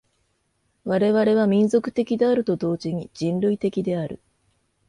我々は民族的であると同時に人類的である。